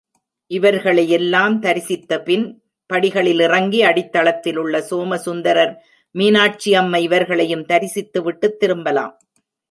இவர்களையெல்லாம் தரிசித்த பின் படிகளில் இறங்கி அடித்தளத்தில் உள்ள சோமசுந்தரர் மீனாக்ஷியம்மை இவர்களையும் தரிசித்து விட்டுத் திரும்பலாம்.